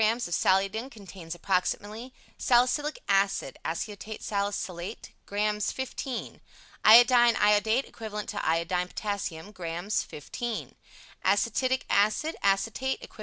xx of Saliodin contains approximately: Salicylic Acid, (Aceto Salicylate), Grs. xv Iodine (Iodate) Equivalent to Iodide Potass, Grs. xv Acetic Acid (Acetate) Equiv.